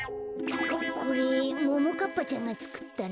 これももかっぱちゃんがつくったの？